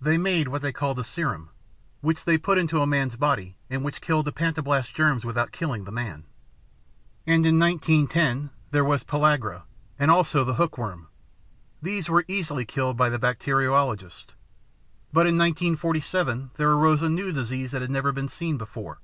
They made what they called a serum, which they put into a man's body and which killed the pantoblast germs without killing the man. And in 1910, there was Pellagra, and also the hookworm. These were easily killed by the bacteriologists. But in 1947 there arose a new disease that had never been seen before.